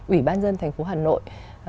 ủy ban dân thành phố hà nội